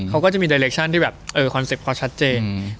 เขาก็จะมีที่แบบเออคอนเซปต์พอชัดเจนอืม